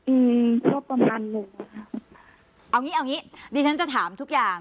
อืมก็ประมาณหนึ่งนะคะเอางี้เอางี้ดิฉันจะถามทุกอย่าง